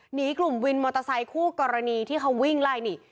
หนีกลุ่มวินมอเตอร์ไซคู่กรณีที่เขาวิ่งไล่นี่